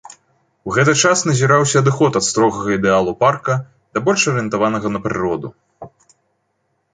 У гэты час назіраўся адыход ад строгага ідэалу парка, да больш арыентаванага на прыроду.